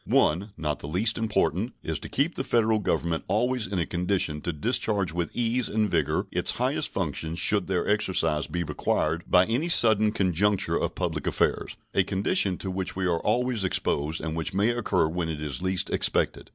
One, not the least important, is to keep the Federal Government always in a condition to discharge with ease and vigor its highest functions should their exercise be required by any sudden conjuncture of public affairs a condition to which we are always exposed and which may occur when it is least expected.